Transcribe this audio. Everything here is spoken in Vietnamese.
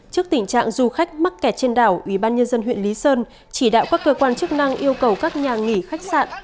trước tình trạng du khách mắc kẹt trên đảo ubnd huyện lý sơn chỉ đạo các cơ quan chức năng yêu cầu các nhà nghỉ khách sạn